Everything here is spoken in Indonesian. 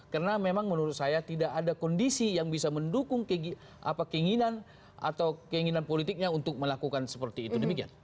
karena memang menurut saya tidak ada kondisi yang bisa mendukung keinginan atau keinginan politiknya untuk melakukan seperti itu demikian